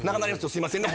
すいませんね